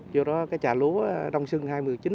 do đó cái trà lúa đông sưng hai mươi chín hai mươi